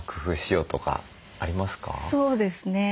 そうですね。